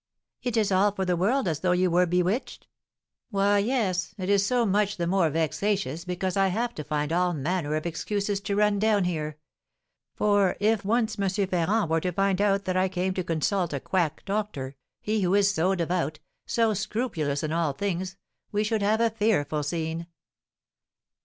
"It is all for the world as though you were bewitched!" "Why, yes, it is so much the more vexatious, because I have to find all manner of excuses to run down here; for, if once M. Ferrand were to find out that I came to consult a quack doctor, he who is so devout, so scrupulous in all things, we should have a fearful scene!"